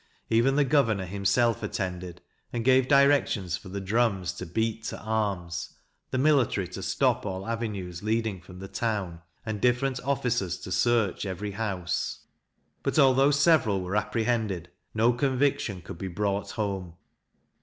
Even the governor himself attended, and gave directions for the drums to beat to arms; the military to stop all avenues leading from the town, and different officers to search every house; but, although several were apprehended, no conviction could be brought home.